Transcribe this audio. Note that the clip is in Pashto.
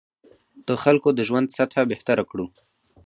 د خلکو د ژوند سطح بهتره کړو.